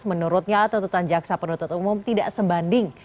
menurutnya tututan jaksa penutup umum tidak sebanding